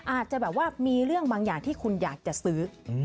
อาจจะแบบว่ามีเรื่องบางอย่างที่คุณอยากจะซื้อ